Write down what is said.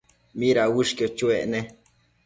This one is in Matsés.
¿mida uëshquio chuec ne?